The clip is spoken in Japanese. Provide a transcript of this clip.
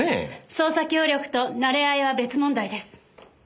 捜査協力と馴れ合いは別問題です。